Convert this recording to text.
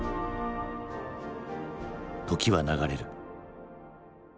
時は流れる。